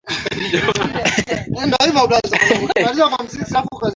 ukiwa na Wilaya tatu za Ilala Kinondoni na Temeke